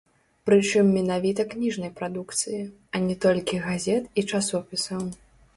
Прычым менавіта кніжнай прадукцыі, а не толькі газет і часопісаў.